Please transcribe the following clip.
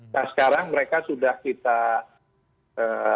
nah sekarang mereka sudah kita rawat di hotel